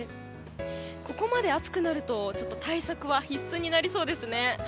ここまで暑くなると対策は必須になりそうですね。